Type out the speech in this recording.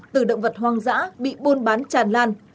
từ động vật hoang dã bị buôn bán tràn lan